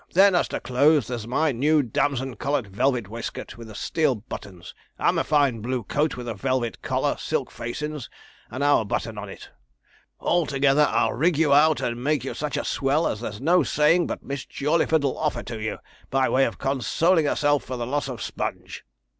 Then as to clothes, there's my new damson coloured velvet waistcoat with the steel buttons, and my fine blue coat with the velvet collar, silk facings, and our button on it; altogether I'll rig you out and make you such a swell as there's no saying but Miss Jawleyford'll offer to you, by way of consoling herself for the loss of Sponge.'